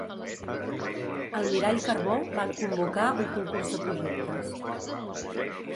Almirall Carbó van convocar un concurs de projectes.